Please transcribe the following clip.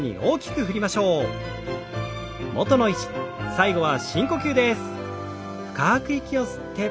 最後は深呼吸です。